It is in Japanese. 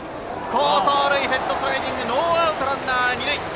好走塁ヘッドスライディングノーアウトランナー、二塁。